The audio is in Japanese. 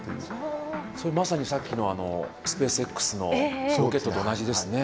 それまさにさっきのスペースＸのロケットと同じですね。